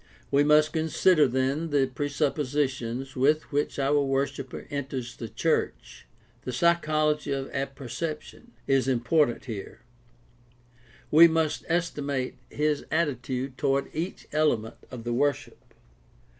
We must consider, then, the presuppositions with which our worshiper enters the church. The psychology of apperception is important here. We must estimate his attitude toward each element of the worship.